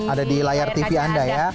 ada di layar tv anda ya